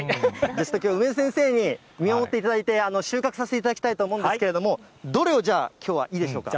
でしたら、きょうは梅津先生に見守っていただいて、収穫させていただきたいと思うんですけれども、どれをじゃあ、きょうはいいでしょうか。